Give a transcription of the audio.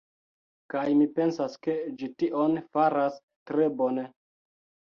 Kaj mi pensas ke ĝi tion faras tre bone.